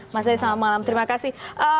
mas zain selamat malam terima kasih